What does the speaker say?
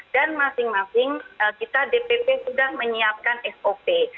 dan masing masing kita dpp sudah menyiapkan sop